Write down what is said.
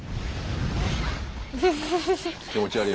気持ち悪い。